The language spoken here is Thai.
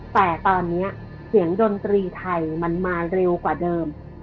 แต่ตอนนี้เสียงดนตรีไทยมันมาเร็วกว่าเดิม